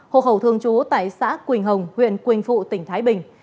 hộ khẩu thường trú tại xã quỳnh hồng huyện quỳnh phụ tỉnh thái bình